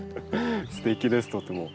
すてきですとっても。